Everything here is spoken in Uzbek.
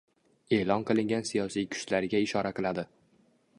e’lon qilingan siyosiy kuchlariga ishora qiladi.